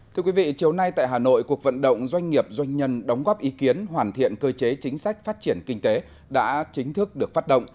thưa quý vị chiều nay tại hà nội cuộc vận động doanh nghiệp doanh nhân đóng góp ý kiến hoàn thiện cơ chế chính sách phát triển kinh tế đã chính thức được phát động